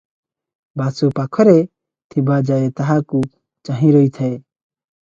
ବାସୁ ପାଖରେ ଥିବା ଯାଏ ତାହାକୁ ଚାହିଁ ରହିଥାଏ।